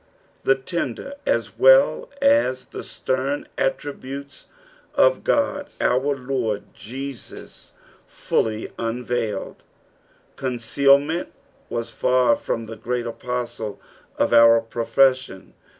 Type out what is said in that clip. '''' The tender as well as tht Mcin altributes of God, our Lord Jesus fully unveiled. Concealment was far from the Great A|K>stle of our profession.